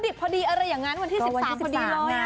พอดีอะไรอย่างนั้นวันที่๑๓พอดีเลย